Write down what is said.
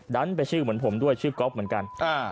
ดันไปชื่อเหมือนผมด้วยชื่อก๊อฟเหมือนกัน